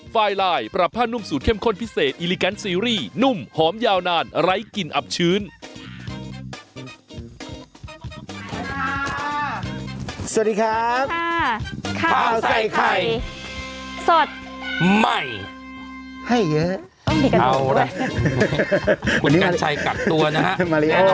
สวัสดีครับข้าวใส่ไข่สดใหม่ให้เยอะเอาล่ะคุณกัญชัยกลับตัวนะฮะ